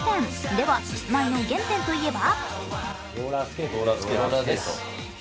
では、キスマイの原点といえば？